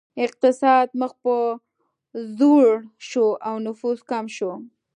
اقتصاد مخ په ځوړ شو او نفوس کم شو.